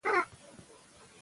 خلک د ښو خبرو قدر کوي